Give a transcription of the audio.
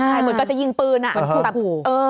เหมือนกับจะยิงปืนอ่ะทุกขู่